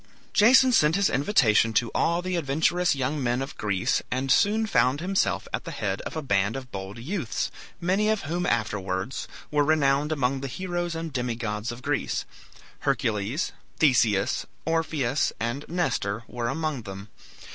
Jason sent his invitation to all the adventurous young men of Greece, and soon found himself at the head of a band of bold youths, many of whom afterwards were renowned among the heroes and demigods of Greece. Hercules, Theseus, Orpheus, and Nestor were among them.